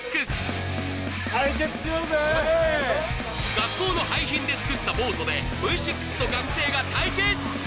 学校の廃品で作ったボートでＶ６と学生が対決